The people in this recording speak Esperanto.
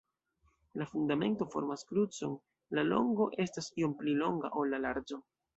La fundamento formas krucon, la longo estas iom pli longa, ol la larĝo.